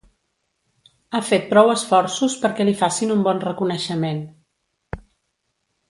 Ha fet prou esforços perquè li facin un bon reconeixement.